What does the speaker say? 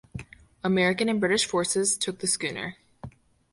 American and British forces took the schooner.